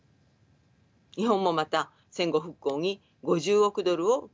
日本もまた戦後復興に５０億ドルを供出しました。